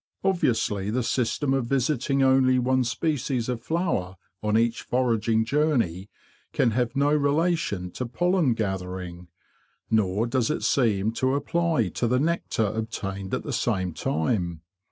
Obviously the system of visiting only one species of flower on each foraging journey can have no relation to pollen gathering; nor does it seem to apply to the nectar obtained at the same time.